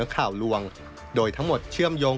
ข่าวลวงโดยทั้งหมดเชื่อมโยง